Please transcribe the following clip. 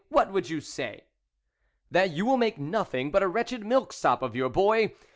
What would you say ?" "That you will make nothing but a wretched milksop of your boy. .